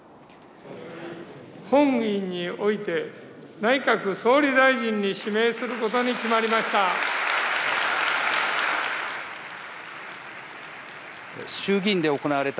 本院において、内閣総理大臣に指名することに決まりました。